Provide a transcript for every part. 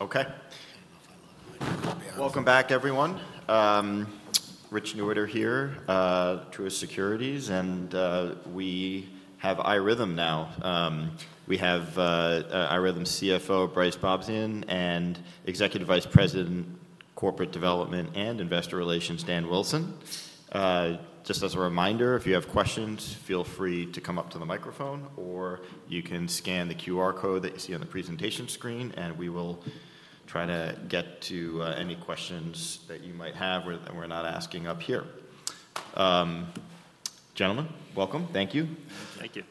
Okay. Welcome back, everyone. Rich Newitter here, Truist Securities, and we have iRhythm now. We have iRhythm CFO Brice Bobzien and Executive Vice President, Corporate Development and Investor Relations, Dan Wilson. Just as a reminder, if you have questions, feel free to come up to the microphone, or you can scan the QR code that you see on the presentation screen, and we will try to get to any questions that you might have we're not asking up here. Gentlemen, welcome. Thank you. Thank you.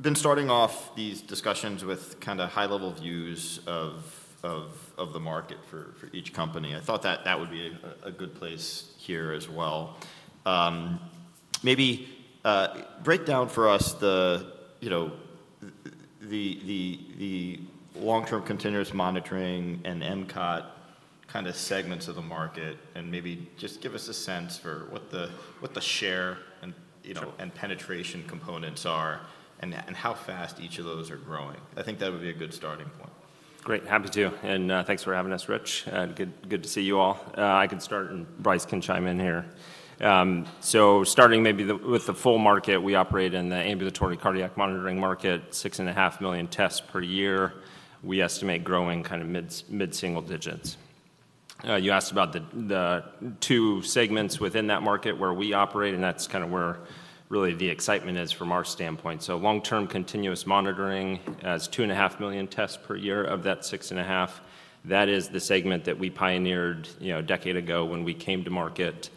Then starting off these discussions with kind of high-level views of the market for each company, I thought that that would be a good place here as well. Maybe break down for us the, you know, the Long-Term Continuous Monitoring and MCOT kind of segments of the market, and maybe just give us a sense for what the share and, you know, and penetration components are, and how fast each of those are growing. I think that would be a good starting point. Great. Happy to. Thanks for having us, Rich. Good, good to see you all. I can start, and Brice can chime in here. So starting maybe with the full market, we operate in the ambulatory cardiac monitoring market, 6.5 million tests per year. We estimate growing kind of mid, mid-single digits. You asked about the, the two segments within that market where we operate, and that's kind of where really the excitement is from our standpoint. So long-term continuous monitoring as 2.5 million tests per year of that 6.5, that is the segment that we pioneered, you know, a decade ago when we came to market.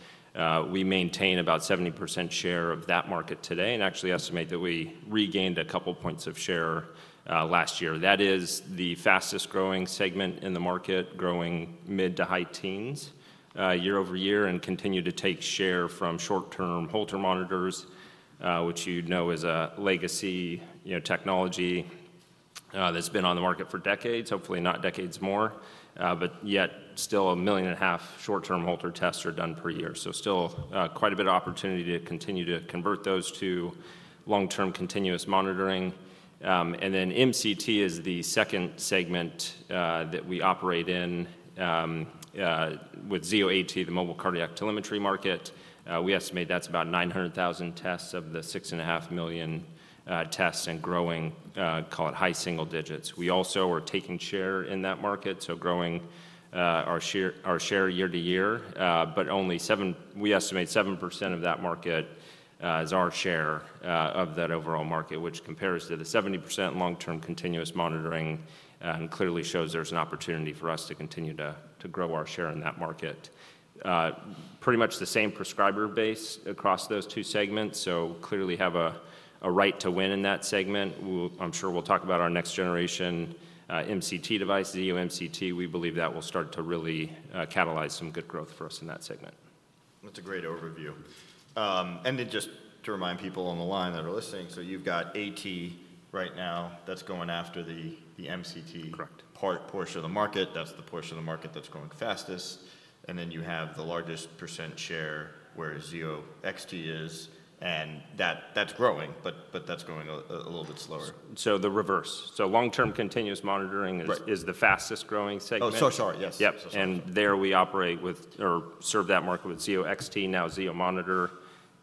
We maintain about 70% share of that market today and actually estimate that we regained a couple points of share last year. That is the fastest growing segment in the market, growing mid- to high-teens year-over-year, and continue to take share from short-term Holter monitors, which you know is a legacy, you know, technology, that's been on the market for decades, hopefully not decades more, but yet still 1.5 million short-term Holter tests are done per year. So still, quite a bit of opportunity to continue to convert those to long-term continuous monitoring. And then MCT is the second segment that we operate in, with Zio AT, the mobile cardiac telemetry market. We estimate that's about 900,000 tests of the 6.5 million tests and growing, call it high single digits. We also are taking share in that market, so growing our share year to year, but only 7, we estimate 7% of that market is our share of that overall market, which compares to the 70% long-term continuous monitoring, and clearly shows there's an opportunity for us to continue to grow our share in that market. Pretty much the same prescriber base across those two segments, so clearly have a right to win in that segment. We'll, I'm sure we'll talk about our next generation MCT device, Zio MCT. We believe that will start to really catalyze some good growth for us in that segment. That's a great overview. And then just to remind people on the line that are listening, so you've got AT right now that's going after the MCT. Correct. Patch portion of the market. That's the portion of the market that's growing fastest. And then you have the largest percent share where Zio XT is, and that's growing, but that's growing a little bit slower. So the reverse. So Long-Term Continuous Monitoring is the fastest growing segment. Oh, so sorry. Yes. Yep. So sorry. There we operate with or serve that market with Zio XT, now Zio Monitor.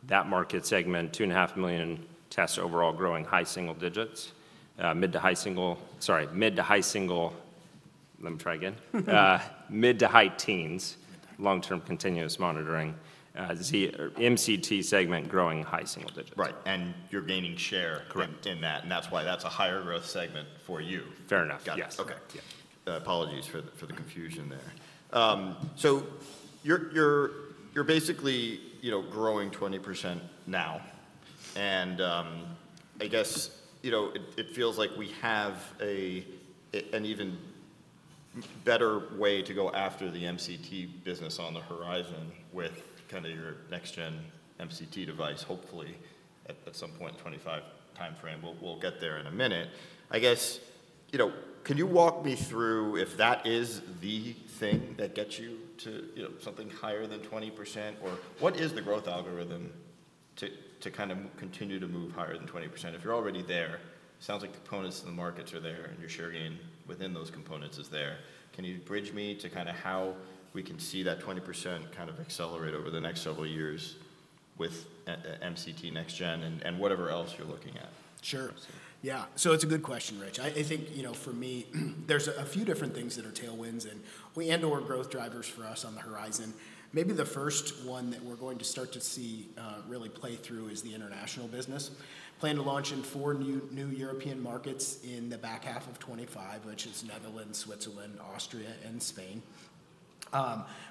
That market segment, 2.5 million tests overall growing high single digits, mid to high single, sorry, mid to high single, let me try again, mid to high teens, long-term continuous monitoring, Zio - MCT segment growing high single digits. Right. And you're gaining share. Correct. In that, and that's why that's a higher growth segment for you. Got it. Yes. Okay. Yeah. Apologies for the confusion there. You're basically, you know, growing 20% now. I guess, you know, it feels like we have an even better way to go after the MCT business on the horizon with kind of your next-gen MCT device, hopefully at some point in 2025 timeframe. We'll get there in a minute. I guess, you know, can you walk me through if that is the thing that gets you to, you know, something higher than 20%, or what is the growth algorithm to kind of continue to move higher than 20%? If you're already there, it sounds like components in the markets are there and your share gain within those components is there. Can you bridge me to kind of how we can see that 20% kind of accelerate over the next several years with MCT next-gen and, and whatever else you're looking at? Sure. Yeah. So it's a good question, Rich. I think, you know, for me, there's a few different things that are tailwinds and/or growth drivers for us on the horizon. Maybe the first one that we're going to start to see, really play through is the international business. Plan to launch in four new European markets in the back half of 2025, which is Netherlands, Switzerland, Austria, and Spain.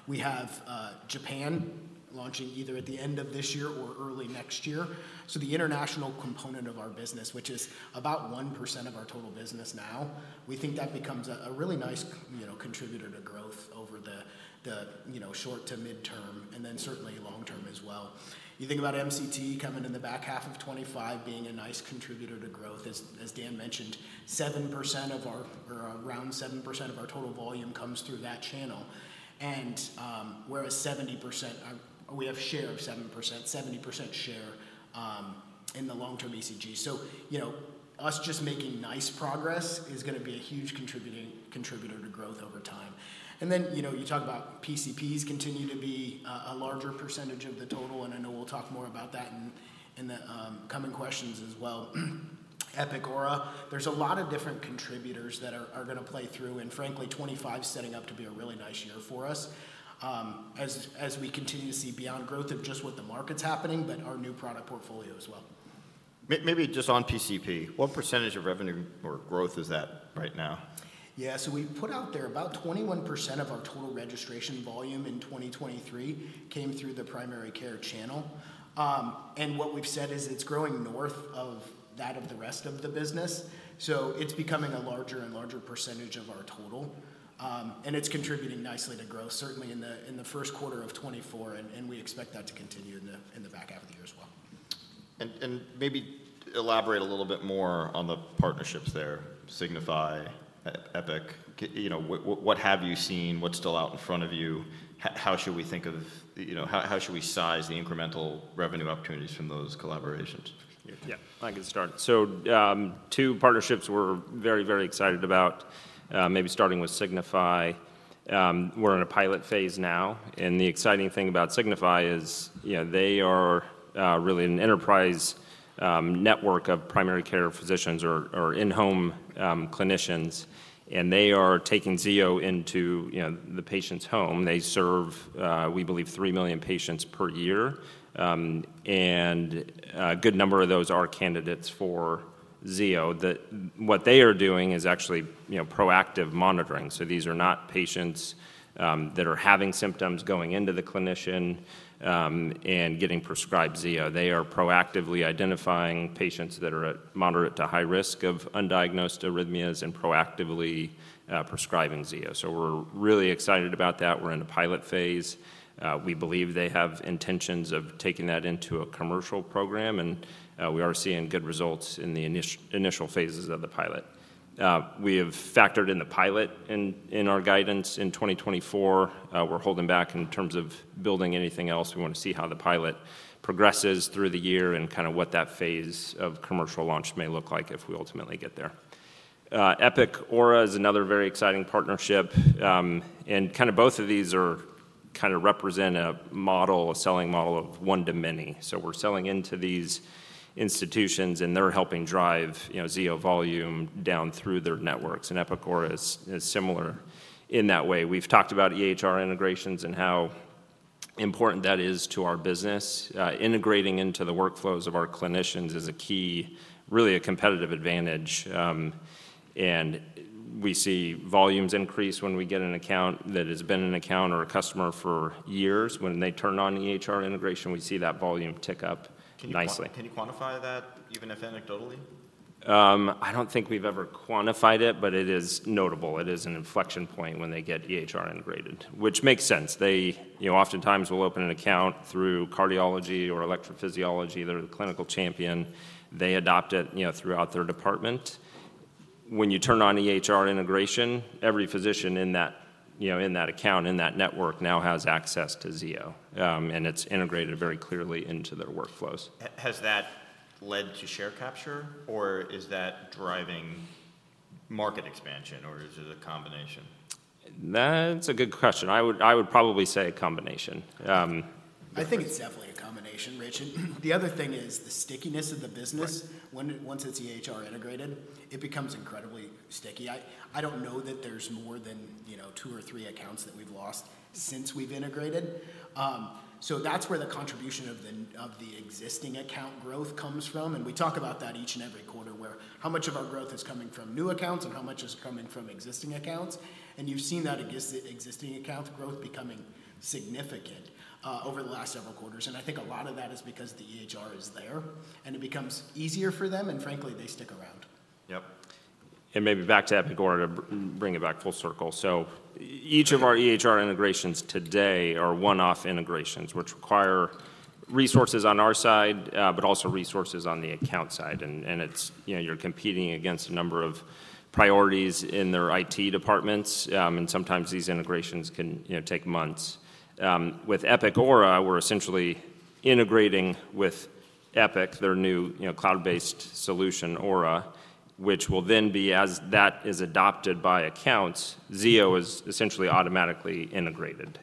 We have Japan launching either at the end of this year or early next year. So the international component of our business, which is about 1% of our total business now, we think that becomes a really nice, you know, contributor to growth over the you know, short to midterm and then certainly long-term as well. You think about MCT coming in the back half of 2025 being a nice contributor to growth. As Dan mentioned, 7% of our, or around 7% of our total volume comes through that channel. And whereas 70%, we have share of 7%, 70% share, in the long-term ECG. So, you know, us just making nice progress is gonna be a huge contributing, contributor to growth over time. And then, you know, you talk about PCPs continue to be a larger percentage of the total, and I know we'll talk more about that in the coming questions as well. Epic Aura, there's a lot of different contributors that are gonna play through, and frankly, 2025's setting up to be a really nice year for us, as we continue to see beyond growth of just what the market's happening, but our new product portfolio as well. Maybe, maybe just on PCP, what percentage of revenue or growth is that right now? Yeah. So we put out there about 21% of our total registration volume in 2023 came through the primary care channel. And what we've said is it's growing north of that of the rest of the business. So it's becoming a larger and larger percentage of our total. And it's contributing nicely to growth, certainly in the first quarter of 2024, and we expect that to continue in the back half of the year as well. Maybe elaborate a little bit more on the partnerships there, Signify, Epic, you know, what have you seen? What's still out in front of you? How should we think of, you know, how should we size the incremental revenue opportunities from those collaborations? Yeah. I can start. So, two partnerships we're very, very excited about, maybe starting with Signify. We're in a pilot phase now. The exciting thing about Signify is, you know, they are really an enterprise network of primary care physicians or in-home clinicians, and they are taking Zio into, you know, the patient's home. They serve, we believe, three million patients per year. A good number of those are candidates for Zio. What they are doing is actually, you know, proactive monitoring. So these are not patients that are having symptoms going into the clinician, and getting prescribed Zio. They are proactively identifying patients that are at moderate to high risk of undiagnosed arrhythmias and proactively prescribing Zio. So we're really excited about that. We're in a pilot phase. We believe they have intentions of taking that into a commercial program, and we are seeing good results in the initial phases of the pilot. We have factored in the pilot in our guidance in 2024. We're holding back in terms of building anything else. We wanna see how the pilot progresses through the year and kind of what that phase of commercial launch may look like if we ultimately get there. Epic Aura is another very exciting partnership. And kind of both of these are kind of represent a model, a selling model of one to many. So we're selling into these institutions, and they're helping drive, you know, Zio volume down through their networks. And Epic Aura is similar in that way. We've talked about EHR integrations and how important that is to our business. Integrating into the workflows of our clinicians is a key, really a competitive advantage. We see volumes increase when we get an account that has been an account or a customer for years. When they turn on EHR integration, we see that volume tick up nicely. Can you quantify that, even if anecdotally? I don't think we've ever quantified it, but it is notable. It is an inflection point when they get EHR integrated, which makes sense. They, you know, oftentimes will open an account through cardiology or electrophysiology. They're the clinical champion. They adopt it, you know, throughout their department. When you turn on EHR integration, every physician in that, you know, in that account, in that network now has access to Zio, and it's integrated very clearly into their workflows. Has that led to share capture, or is that driving market expansion, or is it a combination? That's a good question. I would, I would probably say a combination. I think it's definitely a combination, Rich. And the other thing is the stickiness of the business. Once it's EHR integrated, it becomes incredibly sticky. I don't know that there's more than, you know, two or three accounts that we've lost since we've integrated. So that's where the contribution of the existing account growth comes from. And we talk about that each and every quarter where how much of our growth is coming from new accounts and how much is coming from existing accounts. And you've seen that existing account growth becoming significant over the last several quarters. And I think a lot of that is because the EHR is there, and it becomes easier for them, and frankly, they stick around. Yep. And maybe back to Epic Aura to bring it back full circle. So each of our EHR integrations today are one-off integrations, which require resources on our side, but also resources on the account side. And it's, you know, you're competing against a number of priorities in their IT departments. And sometimes these integrations can, you know, take months. With Epic Aura, we're essentially integrating with Epic, their new, you know, cloud-based solution, Aura, which will then be, as that is adopted by accounts, Zio is essentially automatically integrated.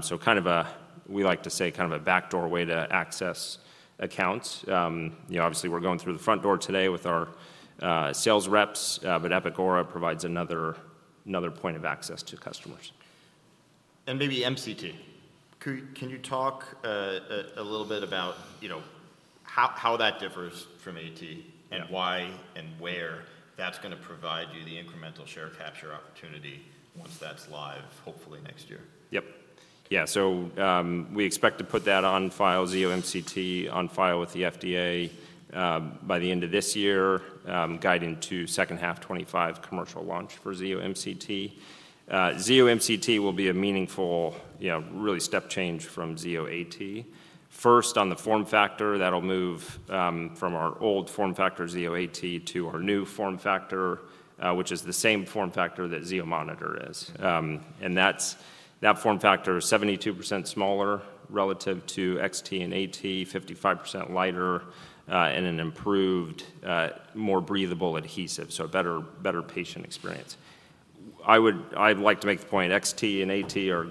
So kind of a, we like to say kind of a backdoor way to access accounts. You know, obviously we're going through the front door today with our sales reps, but Epic Aura provides another, another point of access to customers. And then the MCT. Can you talk a little bit about, you know, how that differs from AT and why and where that's gonna provide you the incremental share capture opportunity once that's live, hopefully next year? Yep. Yeah. So, we expect to put that on file, Zio MCT on file with the FDA, by the end of this year, guiding to second half 2025 commercial launch for Zio MCT. Zio MCT will be a meaningful, you know, really step change from Zio AT. First on the form factor, that'll move, from our old form factor Zio AT to our new form factor, which is the same form factor that Zio Monitor is. and that's, that form factor is 72% smaller relative to XT and AT, 55% lighter, and an improved, more breathable adhesive. So a better, better patient experience. I would, I'd like to make the point XT and AT are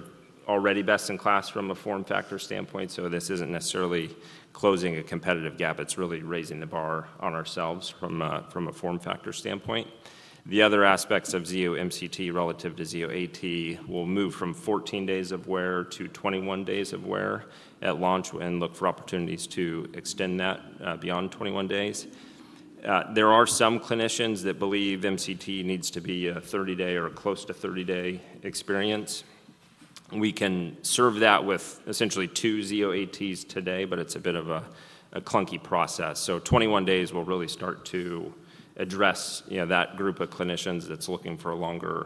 already best in class from a form factor standpoint. So this isn't necessarily closing a competitive gap. It's really raising the bar on ourselves from, from a form factor standpoint. The other aspects of Zio MCT relative to Zio AT will move from 14 days of wear to 21 days of wear at launch and look for opportunities to extend that, beyond 21 days. There are some clinicians that believe MCT needs to be a 30-day or a close to 30-day experience. We can serve that with essentially two Zio ATs today, but it's a bit of a, a clunky process. So 21 days will really start to address, you know, that group of clinicians that's looking for a longer.